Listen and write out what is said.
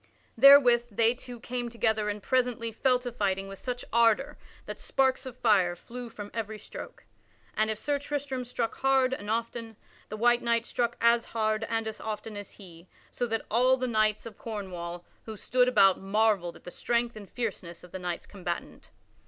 Therewith they two came together and presently fell to fighting with such ardor that sparks of fire flew from every stroke. And if Sir Tristram struck hard and often, the white knight struck as hard and as often as he, so that all the knights of Cornwall who stood about marvelled at the strength and fierceness of the knights combatant.